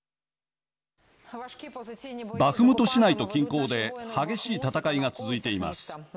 バフムト市内と近郊で激しい戦いが続いています。